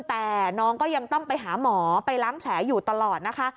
แต่น้องก็ยังต้องไปหาหมอไปล้างแผลอยู่ตลอดนะคะ